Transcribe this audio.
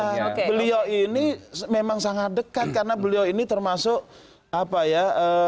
ya beliau ini memang sangat dekat karena beliau ini termasuk apa ya